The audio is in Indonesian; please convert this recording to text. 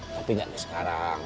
tapi enggak nih sekarang